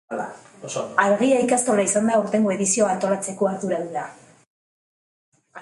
Argia ikastola izan da aurtengo edizioa antolatzeko arduraduna.